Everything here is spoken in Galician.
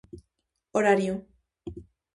Horario.